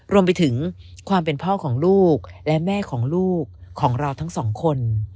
รวมไปถึงความเป็นพ่อของลูกและแม่ของลูกของเราทั้งสองคน